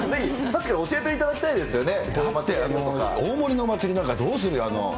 確かに教えていただき大森の祭りなんか、どうするよ？